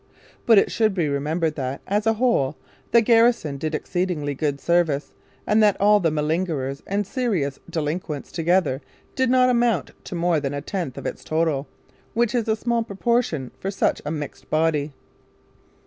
But it should be remembered that, as a whole, the garrison did exceedingly good service and that all the malingerers and serious delinquents together did not amount to more than a tenth of its total, which is a small proportion for such a mixed body.